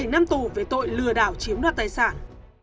bảy năm tù về tội lừa đảo chiếm đoạt tài sản